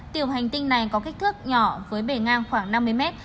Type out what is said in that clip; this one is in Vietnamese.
tiểu hành tinh này có kích thước nhỏ với bể ngang khoảng năm mươi mét